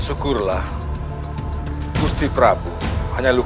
agel lalu aku sedang berjauh